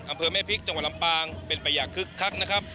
อำเภอแม่พริกจังหวัดลำปางเป็นไปอย่างคึกคักนะครับ